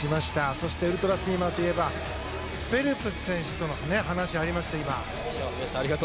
そしてウルトラスイマーといえばフェルプス選手との話がありました。